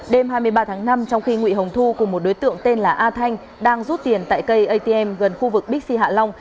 đêm hai mươi ba tháng năm trong khi nguy hồng thu cùng một đối tượng tên là a thanh đang rút tiền tại cây atm gần khu vực bixi hạ long